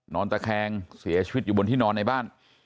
ตะแคงเสียชีวิตอยู่บนที่นอนในบ้าน